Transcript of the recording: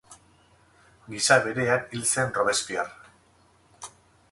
Gisa berean hil zen Robespierre.